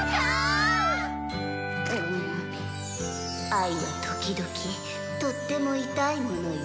愛は時々とっても痛いものよ。